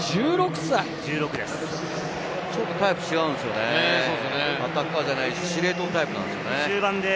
ちょっとタイプが違うんですよね、アタッカーじゃないです、司令塔タイプなんです。